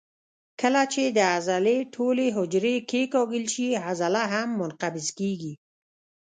کله چې د عضلې ټولې حجرې کیکاږل شي عضله هم منقبض کېږي.